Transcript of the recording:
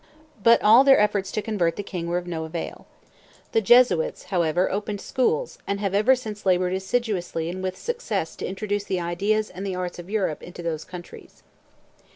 But all their efforts to convert the king were of no avail. The Jesuits, however, opened schools, and have ever since labored assiduously and with success to introduce the ideas and the arts of Europe into those countries.